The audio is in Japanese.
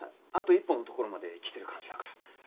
あと一歩のところまで来てる感じだから。